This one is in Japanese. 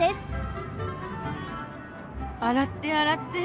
洗って洗って！